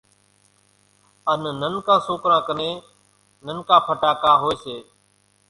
ان ننڪان سوڪران ڪنين ننڪا ڦٽاڪا ھوئي سي